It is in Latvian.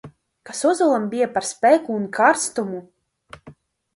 Kas ozolam bija par spēku un karstumu!